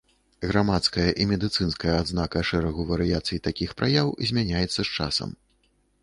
Грамадская і медыцынская адзнака шэрагу варыяцый такіх праяў змяняецца з часам.